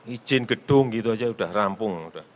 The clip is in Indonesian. ijin gedung gitu aja sudah rampung